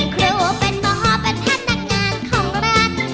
คุณครูเป็นมหาเป็นพระนักงานของรัฐ